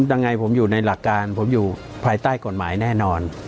ยังไงผมอยู่ในหลักการผมอยู่ภายใต้กฎหมายแน่นอน